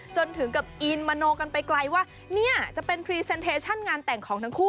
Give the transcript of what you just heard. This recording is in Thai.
จนถึงกับอินมโนกันไปไกลว่าเนี่ยจะเป็นพรีเซนเทชั่นงานแต่งของทั้งคู่